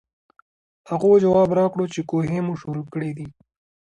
هغو جواب راکړو چې کوهے مو شورو کړے دے ـ